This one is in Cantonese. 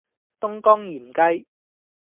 東江鹽雞